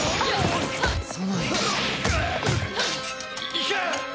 行け！